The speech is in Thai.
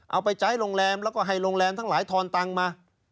เอาไปจ่ายให้โรงแรมตังแต่รวมหลายทนตังมา